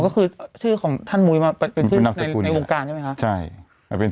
ก็คือชื่อของท่านมุ้ยมาเป็นชื่อในวงการใช่ไหมคะ